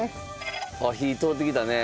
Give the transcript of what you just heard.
火通ってきたね。